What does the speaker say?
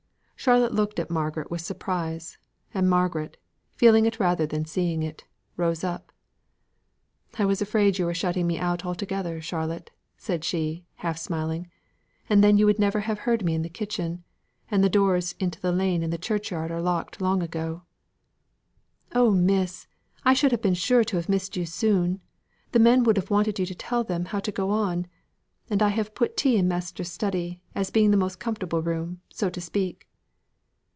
Charlotte looked at Margaret with surprise; and Margaret, feeling it rather than seeing it, rose up. "I was afraid you were shutting me out altogether, Charlotte," said she, half smiling. "And then you would never have heard me in the kitchen, and the doors into the lane and churchyard are locked long ago." "Oh, miss, I should have been sure to have missed you soon. The men would have wanted you to tell them how to go on. And I have put tea in master's study, as being the most comfortable room, so to speak."